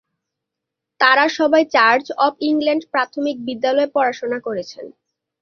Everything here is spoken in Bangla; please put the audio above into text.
তাঁরা সবাই চার্চ অব ইংল্যান্ড প্রাথমিক বিদ্যালয়ে পড়াশোনা করেছেন।